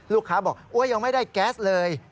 ลูกค้าบอกโอ๊ยยังไม่ได้แก๊สเลย